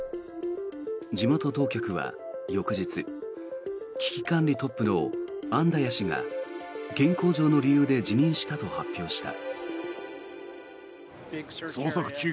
地元当局は翌日危機管理トップのアンダヤ氏が健康上の理由で辞任したと発表した。